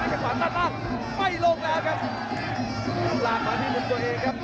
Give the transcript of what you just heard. เกี่ยวว่าพี่มันจะขวานด้านล่างไปโลกร้าครับ